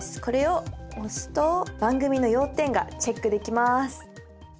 これを押すと番組の要点がチェックできます！